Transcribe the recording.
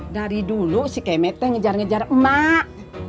dari dulu si kemetnya ngejar ngejar emak